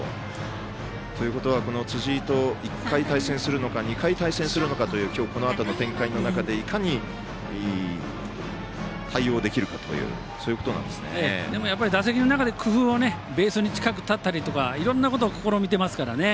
辻井と１回対戦するのか２回、対戦するのかという今日、このあとの展開の中でいかに対応できるかやっぱり打席の中で工夫をベースに近くたったりとかいろんなことを試みてますから。